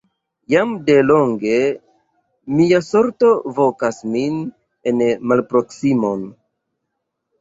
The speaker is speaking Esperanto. Jam de longe mia sorto vokas min en malproksimon!